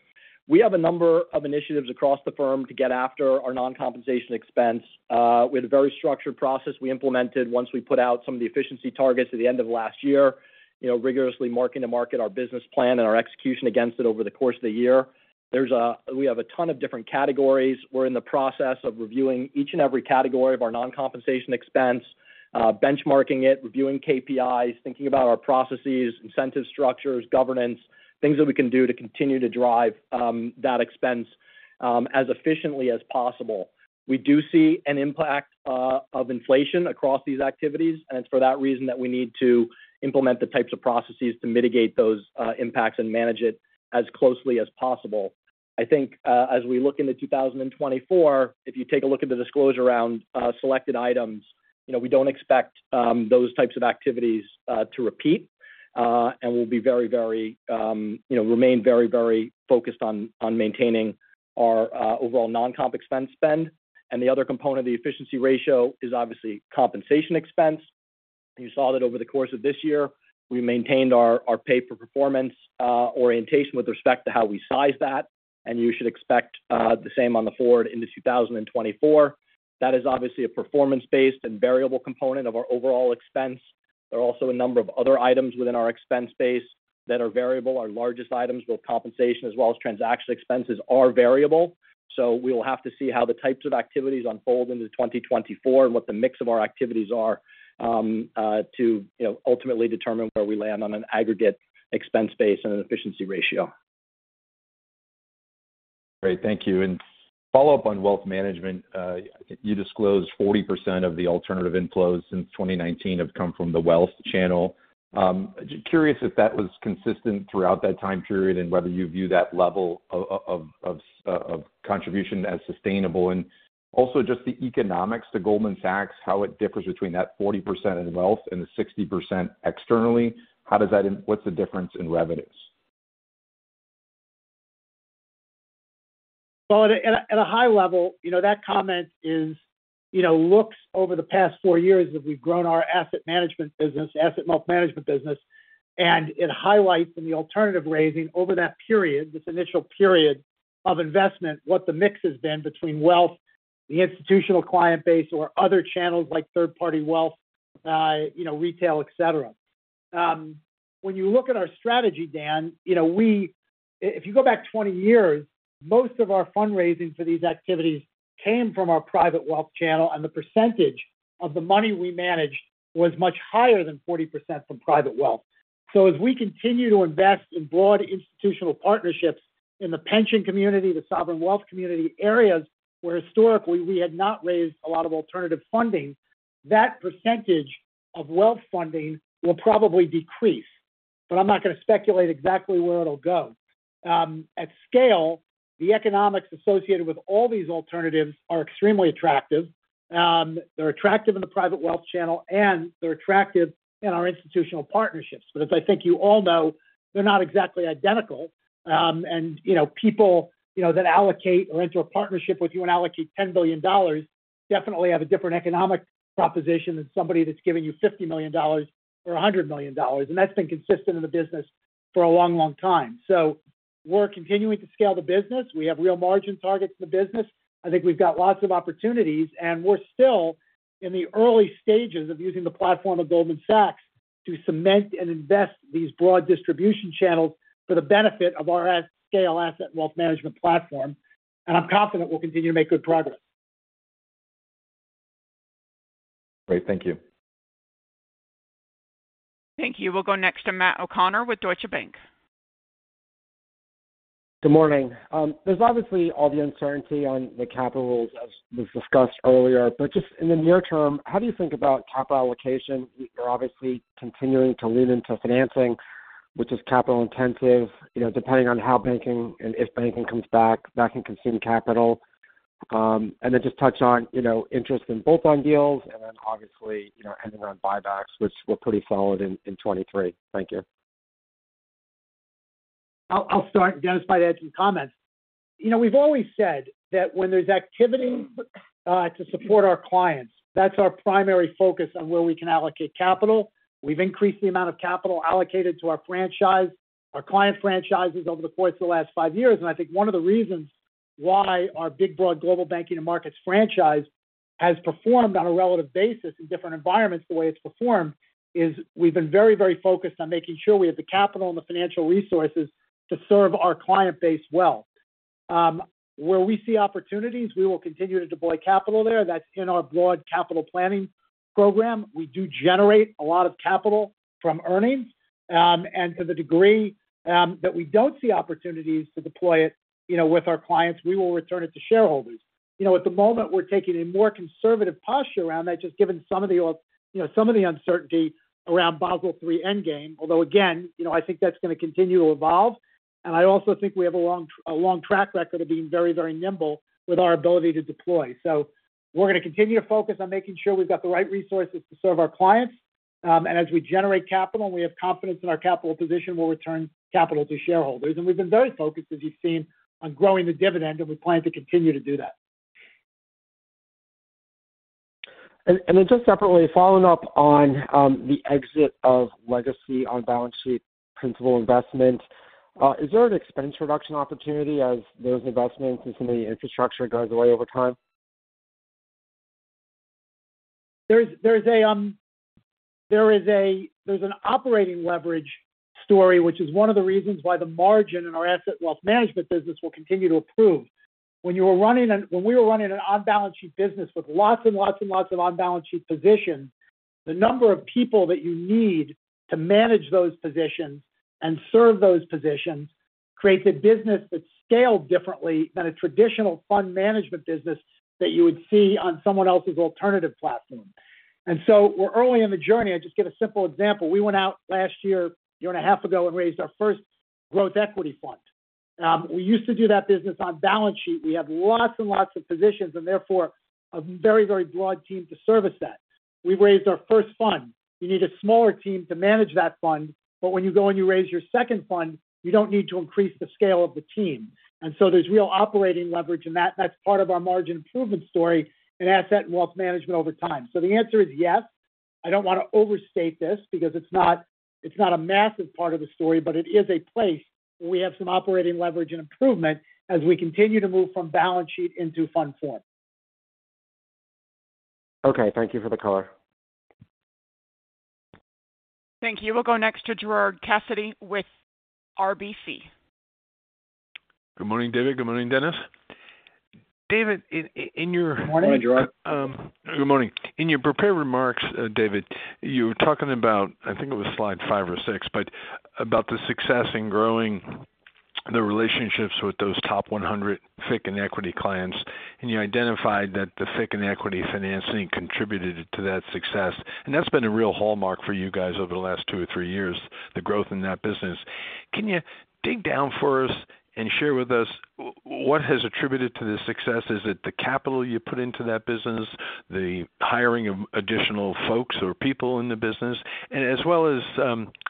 We have a number of initiatives across the firm to get after our non-compensation expense. We had a very structured process we implemented once we put out some of the efficiency targets at the end of last year, you know, rigorously mark-to-market our business plan and our execution against it over the course of the year. We have a ton of different categories. We're in the process of reviewing each and every category of our non-compensation expense, benchmarking it, reviewing KPIs, thinking about our processes, incentive structures, governance, things that we can do to continue to drive that expense as efficiently as possible. We do see an impact of inflation across these activities, and it's for that reason that we need to implement the types of processes to mitigate those impacts and manage it as closely as possible. I think, as we look into 2024, if you take a look at the disclosure around selected items, you know, we don't expect those types of activities to repeat. And we'll be very, very, you know, remain very, very focused on maintaining our overall non-comp expense spend. And the other component of the efficiency ratio is obviously compensation expense. You saw that over the course of this year, we maintained our, our pay for performance orientation with respect to how we size that, and you should expect the same on the forward into 2024. That is obviously a performance-based and variable component of our overall expense. There are also a number of other items within our expense base that are variable. Our largest items, both compensation as well as transaction expenses, are variable. So we will have to see how the types of activities unfold into 2024 and what the mix of our activities are, to you know, ultimately determine where we land on an aggregate expense base and an efficiency ratio. Great. Thank you. Follow up on wealth management. You disclosed 40% of the alternative inflows since 2019 have come from the wealth channel. Just curious if that was consistent throughout that time period and whether you view that level of contribution as sustainable, and also just the economics to Goldman Sachs, how it differs between that 40% in wealth and the 60% externally. What's the difference in revenues? Well, at a high level, you know, that comment is, you know, looks over the past four years as we've grown our asset management business, asset wealth management business, and it highlights in the alternative raising over that period, this initial period of investment, what the mix has been between wealth, the institutional client base, or other channels like third-party wealth, you know, retail, et cetera. When you look at our strategy, Dan, you know, we if you go back 20 years, most of our fundraising for these activities came from our private wealth channel, and the percentage of the money we managed was much higher than 40% from private wealth. So as we continue to invest in broad institutional partnerships in the pension community, the sovereign wealth community, areas where historically we had not raised a lot of alternative funding, that percentage of wealth funding will probably decrease, but I'm not going to speculate exactly where it'll go. At scale, the economics associated with all these alternatives are extremely attractive. They're attractive in the private wealth channel, and they're attractive in our institutional partnerships. But as I think you all know, they're not exactly identical. And, you know, people, you know, that allocate or enter a partnership with you and allocate $10 billion, definitely have a different economic proposition than somebody that's giving you $50 million or $100 million. And that's been consistent in the business for a long, long time. So we're continuing to scale the business. We have real margin targets in the business. I think we've got lots of opportunities, and we're still in the early stages of using the platform of Goldman Sachs to cement and invest these broad distribution channels for the benefit of our at-scale asset wealth management platform, and I'm confident we'll continue to make good progress. Great. Thank you. Thank you. We'll go next to Matt O'Connor with Deutsche Bank. Good morning. There's obviously all the uncertainty on the capital, as was discussed earlier, but just in the near term, how do you think about capital allocation? You're obviously continuing to lean into financing, which is capital intensive, you know, depending on how banking and if banking comes back, that can consume capital. And then just touch on, you know, interest in bolt-on deals and then obviously, you know, anything around buybacks, which were pretty solid in 2023. Thank you. I'll start, Denis might add some comments. You know, we've always said that when there's activity to support our clients, that's our primary focus on where we can allocate capital. We've increased the amount of capital allocated to our franchise, our client franchises over the course of the last five years, and I think one of the reasons why our big, broad Global Banking and Markets franchise has performed on a relative basis in different environments the way it's performed, is we've been very, very focused on making sure we have the capital and the financial resources to serve our client base well. Where we see opportunities, we will continue to deploy capital there. That's in our broad capital planning program. We do generate a lot of capital from earnings. To the degree that we don't see opportunities to deploy it, you know, with our clients, we will return it to shareholders. You know, at the moment, we're taking a more conservative posture around that, just given some of the, you know, some of the uncertainty around Basel III Endgame, although, again, you know, I think that's going to continue to evolve. And I also think we have a long track record of being very, very nimble with our ability to deploy. So we're going to continue to focus on making sure we've got the right resources to serve our clients. And as we generate capital and we have confidence in our capital position, we'll return capital to shareholders. And we've been very focused, as you've seen, on growing the dividend, and we plan to continue to do that. And then, just separately, following up on the exit of legacy on balance sheet principal investment, is there an expense reduction opportunity as those investments and some of the infrastructure goes away over time? There's an operating leverage story, which is one of the reasons why the margin in our asset wealth management business will continue to improve. When we were running an on-balance sheet business with lots and lots and lots of on-balance sheet positions, the number of people that you need to manage those positions and serve those positions creates a business that's scaled differently than a traditional fund management business that you would see on someone else's alternative platform. And so we're early in the journey. I'll just give a simple example. We went out last year, year and a half ago, and raised our first growth equity fund. We used to do that business on balance sheet. We have lots and lots of positions, and therefore, a very, very broad team to service that. We raised our first fund. You need a smaller team to manage that fund, but when you go and you raise your second fund, you don't need to increase the scale of the team. And so there's real operating leverage, and that's part of our margin improvement story in Asset and Wealth Management over time. So the answer is yes. I don't want to overstate this because it's not, it's not a massive part of the story, but it is a place where we have some operating leverage and improvement as we continue to move from balance sheet into fund form. Okay, thank you for the color. Thank you. We'll go next to Gerard Cassidy with RBC. Good morning, David. Good morning, Denis. David, in your- Morning. Good morning, Gerard. Good morning. In your prepared remarks, David, you were talking about, I think it was slide 5 or 6, but about the success in growing the relationships with those top 100 FICC and equity clients, and you identified that the FICC and equity financing contributed to that success. And that's been a real hallmark for you guys over the last two or three years, the growth in that business. Can you dig down for us and share with us what has attributed to this success? Is it the capital you put into that business, the hiring of additional folks or people in the business, and as well as,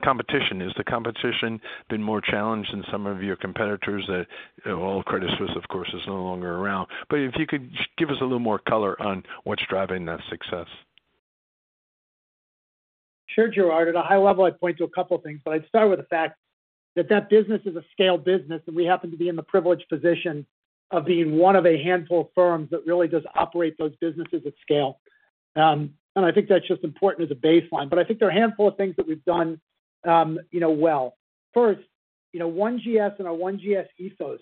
competition? Is the competition been more challenged than some of your competitors that, well, Credit Suisse, of course, is no longer around. If you could just give us a little more color on what's driving that success? Sure, Gerard. At a high level, I'd point to a couple of things, but I'd start with the fact that that business is a scale business, and we happen to be in the privileged position of being one of a handful of firms that really does operate those businesses at scale. And I think that's just important as a baseline. But I think there are a handful of things that we've done, you know, well. First, you know, One GS and our One GS ethos.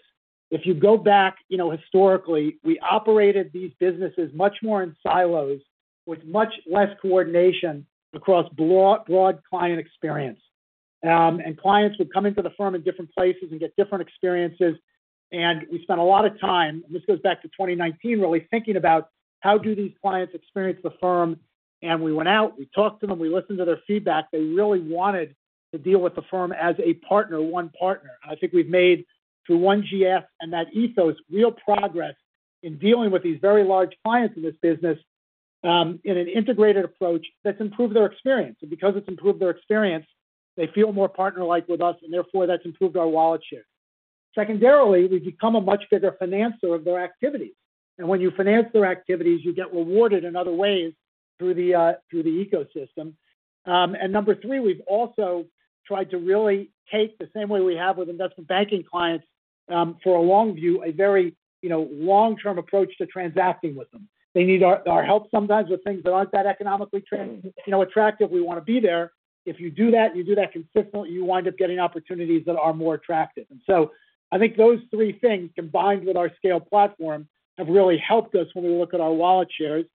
If you go back, you know, historically, we operated these businesses much more in silos with much less coordination across broad, broad client experience. And clients would come into the firm in different places and get different experiences. And we spent a lot of time, and this goes back to 2019, really thinking about how do these clients experience the firm. We went out, we talked to them, we listened to their feedback. They really wanted to deal with the firm as a partner, one partner. I think we've made, through One GS and that ethos, real progress in dealing with these very large clients in this business in an integrated approach that's improved their experience. And because it's improved their experience, they feel more partner-like with us, and therefore that's improved our wallet share. Secondarily, we've become a much bigger financer of their activities, and when you finance their activities, you get rewarded in other ways through the ecosystem. And number three, we've also tried to really take the same way we have with investment banking clients for a long view, a very, you know, long-term approach to transacting with them. They need our help sometimes with things that aren't that economically—you know, attractive. We want to be there. If you do that, and you do that consistently, you wind up getting opportunities that are more attractive. And so I think those three things, combined with our scale platform, have really helped us when we look at our wallet shares.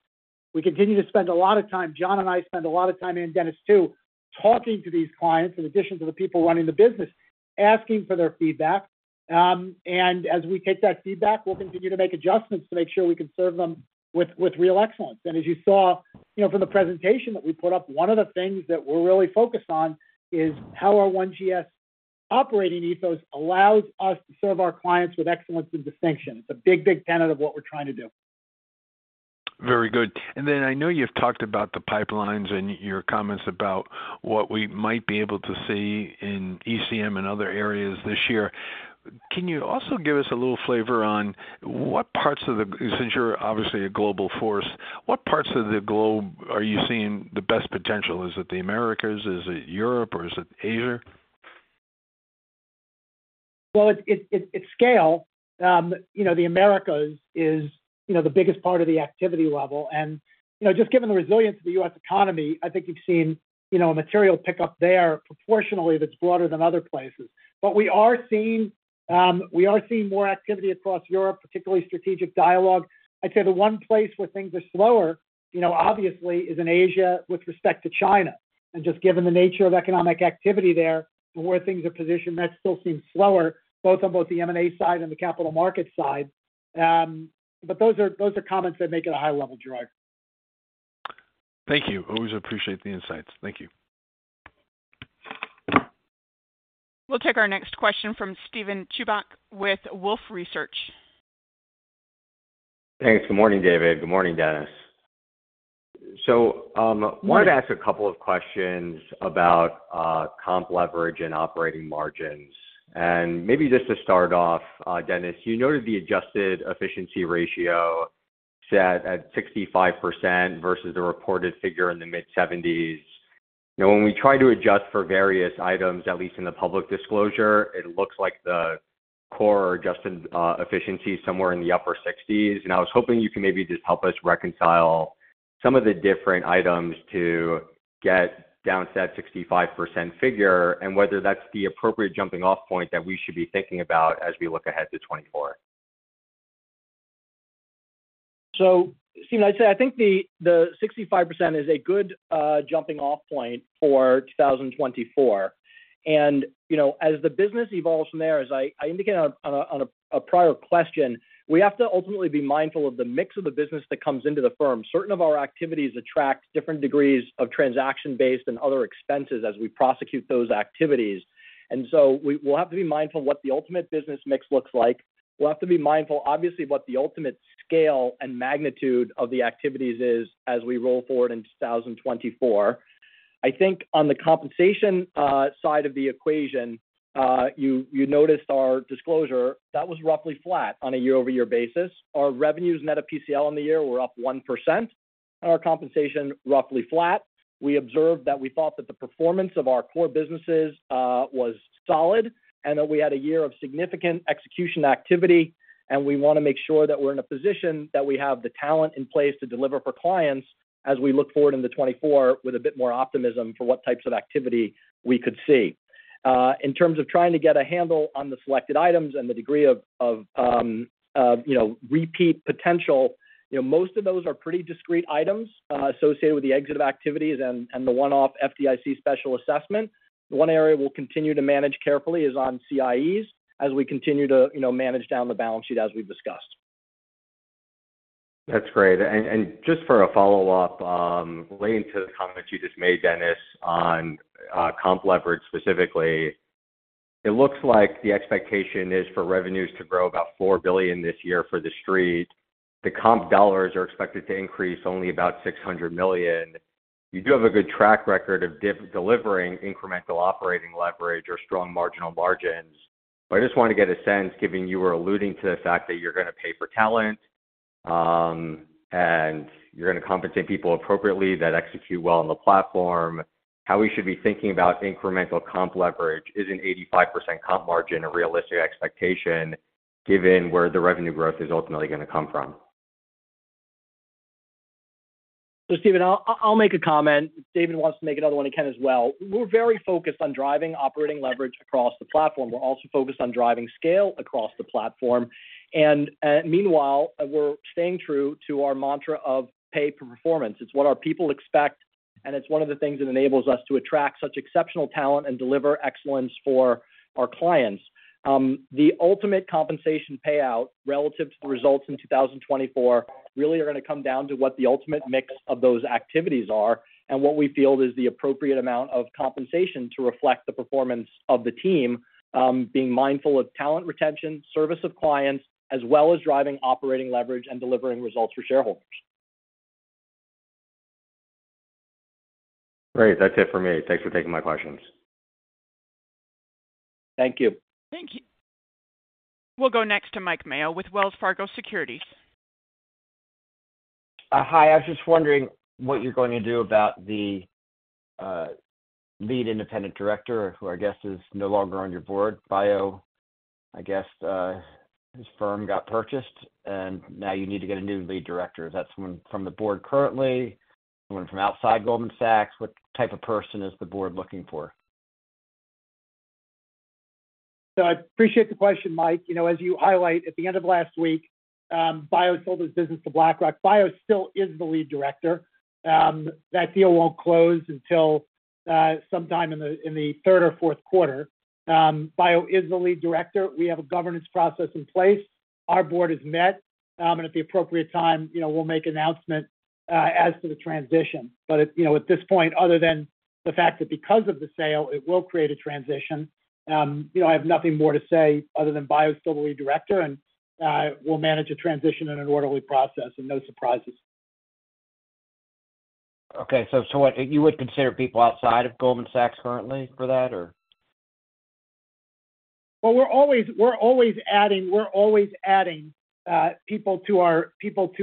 We continue to spend a lot of time... John and I spend a lot of time, and Denis, too, talking to these clients, in addition to the people running the business, asking for their feedback. And as we take that feedback, we'll continue to make adjustments to make sure we can serve them with real excellence. As you saw, you know, from the presentation that we put up, one of the things that we're really focused on is how our One GS operating ethos allows us to serve our clients with excellence and distinction. It's a big, big tenet of what we're trying to do. Very good. And then I know you've talked about the pipelines and your comments about what we might be able to see in ECM and other areas this year. Can you also give us a little flavor on what parts of the, since you're obviously a global force, what parts of the globe are you seeing the best potential? Is it the Americas, is it Europe, or is it Asia? Well, it's scale. You know, the Americas is, you know, the biggest part of the activity level. You know, just given the resilience of the U.S. economy, I think you've seen, you know, a material pickup there proportionately that's broader than other places. But we are seeing more activity across Europe, particularly strategic dialogue. I'd say the one place where things are slower, you know, obviously, is in Asia with respect to China. And just given the nature of economic activity there and where things are positioned, that still seems slower, both on the M&A side and the capital market side. But those are comments at a high level, Gerard. Thank you. Always appreciate the insights. Thank you. We'll take our next question from Steven Chubak with Wolfe Research. Thanks. Good morning, David. Good morning, Denis. So, wanted to ask a couple of questions about, comp leverage and operating margins. And maybe just to start off, Denis, you noted the adjusted efficiency ratio set at 65% versus the reported figure in the mid-70s. Now, when we try to adjust for various items, at least in the public disclosure, it looks like the core adjusted, efficiency is somewhere in the upper 60s, and I was hoping you could maybe just help us reconcile some of the different items to get down to that 65% figure and whether that's the appropriate jumping-off point that we should be thinking about as we look ahead to 2024. So Steven, I'd say I think the 65% is a good jumping-off point for 2024. And, you know, as the business evolves from there, as I indicated on a prior question, we have to ultimately be mindful of the mix of the business that comes into the firm. Certain of our activities attract different degrees of transaction-based and other expenses as we prosecute those activities. And so we'll have to be mindful of what the ultimate business mix looks like. We'll have to be mindful, obviously, of what the ultimate scale and magnitude of the activities is as we roll forward into 2024. I think on the compensation side of the equation, you noticed our disclosure, that was roughly flat on a year-over-year basis. Our revenues net of PCL on the year were up 1%, and our compensation, roughly flat. We observed that we thought that the performance of our core businesses was solid and that we had a year of significant execution activity, and we want to make sure that we're in a position that we have the talent in place to deliver for clients as we look forward into 2024 with a bit more optimism for what types of activity we could see. In terms of trying to get a handle on the selected items and the degree of you know repeat potential, you know, most of those are pretty discrete items, associated with the exit of activities and the one-off FDIC risk special assessment. The one area we'll continue to manage carefully is on CIEs as we continue to, you know, manage down the balance sheet as we've discussed. That's great. And just for a follow-up, relating to the comments you just made, Denis, on comp leverage specifically, it looks like the expectation is for revenues to grow about $4 billion this year for the Street. The comp dollars are expected to increase only about $600 million. You do have a good track record of delivering incremental operating leverage or strong marginal margins. But I just want to get a sense, given you were alluding to the fact that you're going to pay for talent, and you're going to compensate people appropriately that execute well on the platform, how we should be thinking about incremental comp leverage? Is an 85% comp margin a realistic expectation, given where the revenue growth is ultimately going to come from? So, Steven, I'll make a comment. If David wants to make another one, he can as well. We're very focused on driving operating leverage across the platform. We're also focused on driving scale across the platform. And meanwhile, we're staying true to our mantra of pay for performance. It's what our people expect, and it's one of the things that enables us to attract such exceptional talent and deliver excellence for our clients. The ultimate compensation payout relative to the results in 2024 really are going to come down to what the ultimate mix of those activities are and what we feel is the appropriate amount of compensation to reflect the performance of the team, being mindful of talent retention, service of clients, as well as driving operating leverage and delivering results for shareholders. Great. That's it for me. Thanks for taking my questions. Thank you. Thank you. We'll go next to Mike Mayo with Wells Fargo Securities. Hi. I was just wondering what you're going to do about the, lead independent director, who I guess is no longer on your board. Bayo, I guess, his firm got purchased, and now you need to get a new lead director. Is that someone from the board currently, someone from outside Goldman Sachs? What type of person is the board looking for? So I appreciate the question, Mike. You know, as you highlight, at the end of last week, Bayo sold his business to BlackRock. Bayo still is the lead director. That deal won't close until sometime in the third or fourth quarter. Bayo is the lead director. We have a governance process in place. Our board has met, and at the appropriate time, you know, we'll make announcement as to the transition. But, you know, at this point, other than the fact that because of the sale, it will create a transition, you know, I have nothing more to say other than Bayo is still the lead director, and we'll manage a transition in an orderly process and no surprises. Okay, so what, you would consider people outside of Goldman Sachs currently for that, or? Well, we're always adding people to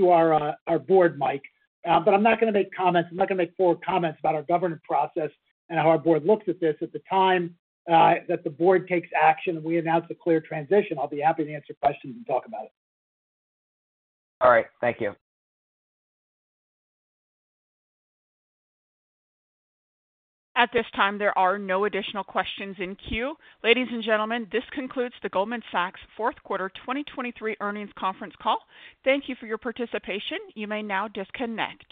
our board, Mike. But I'm not going to make comments. I'm not going to make forward comments about our governance process and how our board looks at this. At the time that the board takes action and we announce a clear transition, I'll be happy to answer questions and talk about it. All right. Thank you. At this time, there are no additional questions in queue. Ladies and gentlemen, this concludes the Goldman Sachs fourth quarter 2023 earnings conference call. Thank you for your participation. You may now disconnect.